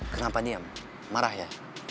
kenapa diam marah ya